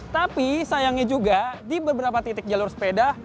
tapi sayangnya juga di beberapa titik jalur sepeda